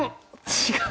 違う？